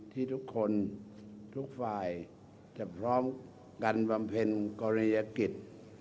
ที่ทุกคนทุกฝ่ายจะพร้อมกันบำเพ็ญกรณียกิจ